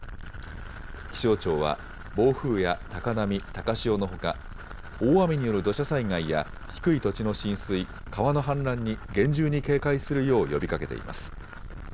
気象庁は暴風や高波、高潮のほか、大雨による土砂災害や低い土地の浸水、川の氾濫に厳重に警戒するよう呼びかけています。